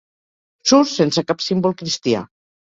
Surt sense cap símbol cristià.